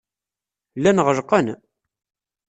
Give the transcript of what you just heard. Llan ɣelqen.